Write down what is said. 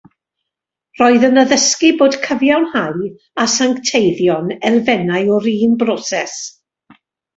Roedd yn addysgu bod cyfiawnhau a sancteiddio'n elfennau o'r un broses.